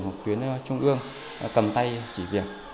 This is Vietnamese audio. hoặc tuyến trung ương cầm tay chỉ việc